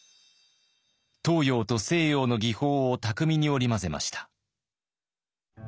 東洋と西洋の技法を巧みに織り交ぜました。